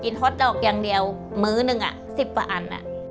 กินฮอตดอกอย่างเดียวมื้อหนึ่ง๑๐ป่าน